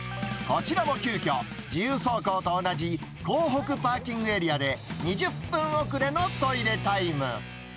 こちらも急きょ、自由走行と同じ港北パーキングエリアで、２０分遅れのトイレタイム。